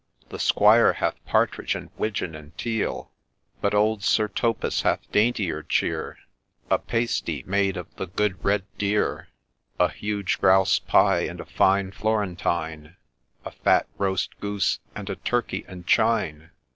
The Squire hath partridge, 'and widgeon, and teal ! But old Sir Thopas hath daintier cheer, A pasty made of the good red deer, A huge grouse pie, and a fine Florentine, A fat roast goose, and a turkey and chine.